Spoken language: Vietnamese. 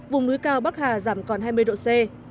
vùng núi cao bắc hà giảm còn hai mươi độ c